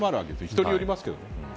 人によりますけどね。